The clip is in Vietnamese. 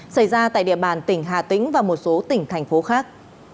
xảy ra tại địa bàn tỉnh hà tĩnh và một số tỉnh thành phố khác